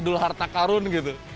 jadul harta karun gitu